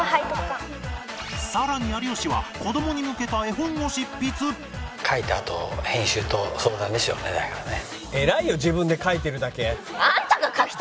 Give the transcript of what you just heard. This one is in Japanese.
さらに有吉は子供に向けた絵本を執筆描いたあと編集と相談ですよねだからね。